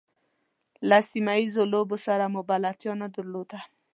له سیمه ییزو لوبو سره مو بلدتیا نه درلوده.